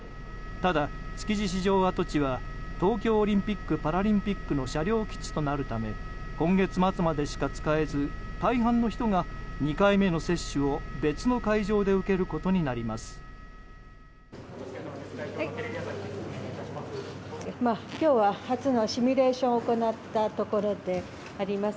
ただ築地市場跡地は東京オリンピック・パラリンピックの車両基地になるため今月末までしか使えず大半の人が２回目の接種を別の会場で受けることになります。